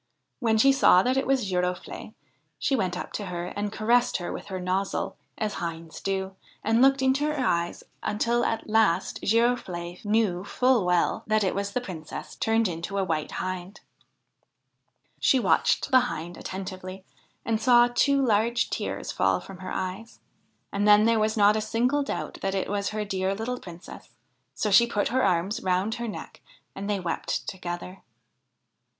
When she saw that it was Girofle'e, she went up to her and caressed her with her nozzle, as hinds do, and looked into her eyes until at last Girofle'e knew full well that it was the Princess turned into a White Hind. She watched the Hind attentively and saw two large tears fall from her eyes, and then there was not a single doubt that it was her dear little Princess ; so she put her arms around her neck, and they wept together.